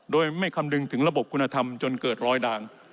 โดยไม่คำนึงถึงระบบคุณธรรมจนเกิดรอยด่าง